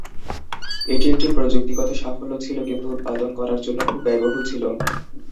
এটি একটি প্রযুক্তিগত সাফল্য ছিল কিন্তু উৎপাদন করার জন্য খুব ব্যয়বহুল ছিল।